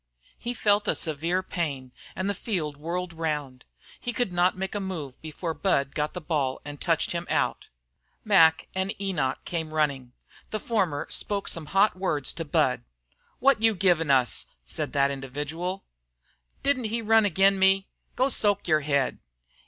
He felt a severe pain, and the field whirled round. He could not make a move before Budd got the ball and touched him out. Mac and Enoch came running, and the former spoke some hot words to Budd. "Wot you givin' us?" said that individual. "Didn't he run agin me? Go soak your head!"